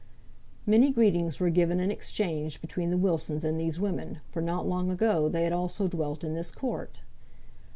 Many greetings were given and exchanged between the Wilsons and these women, for not long ago they had also dwelt in this court.